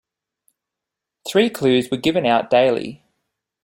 Three clues were given out daily.